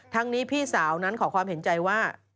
ทั้งนี้พี่สาวนั้นขอความเห็นใจว่า